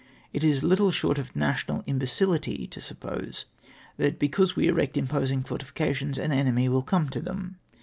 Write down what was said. It is little short of national imbecility to suppose that because we erect imposing fortifications an enemy ivill come to them